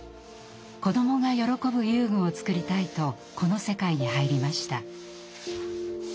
子どもが喜ぶ遊具を作りたいとこの世界に入りました。